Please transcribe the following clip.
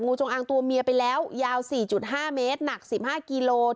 งูจงอางตัวเมียไปแล้วยาวสี่จุดห้าเมตรหนักสิบห้ากิโลกรัม